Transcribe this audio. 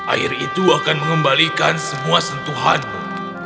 air itu akan mengembalikan semua sentuhanmu